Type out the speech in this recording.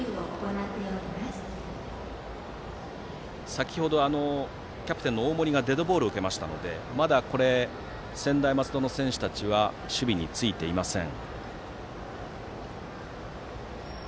先程、キャプテンの大森がデッドボールを受けましたのでまだ専大松戸の選手たちは守備についていません。